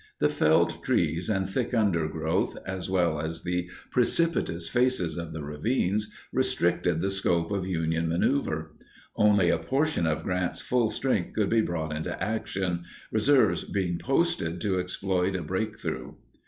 The felled trees and thick undergrowth, as well as the precipitous faces of the ravines, restricted the scope of Union maneuver. Only a portion of Grant's full strength could be brought into action, reserves being posted to exploit a breakthrough.